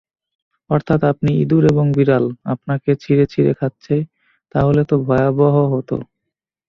অর্থাৎ আপনি ইঁদুর এবং বিড়াল আপনাকে ছিঁড়ে-ছিঁড়ে খাচ্ছে-তাহলে ত ভয়াবহ হত।